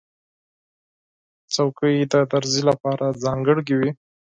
چوکۍ د خیاط لپاره ځانګړې وي.